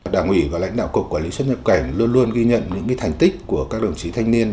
đảng ủy và lãnh đạo cục quản lý xuất nhập cảnh luôn luôn ghi nhận những thành tích của các đồng chí thanh niên